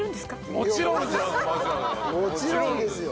もちろんですよ。